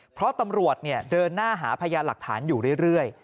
เพราะตำรวจเดินหน้าหาพยานหลักฐานอยู่เรื่อย